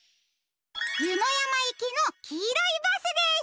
ゆのやまいきのきいろいバスです！